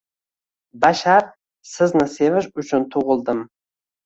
Bashar, sizni sevish uchun tug‘ildim! ng